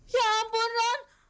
ya ampun non